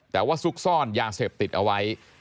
แต่ว่าซุกซ่อนยาเสพติดเอาไว้